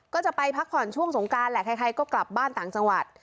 ก็จะไปพักผ่อนช่วงสงการแหละใครก็กลับบ้านต่างจังหวัด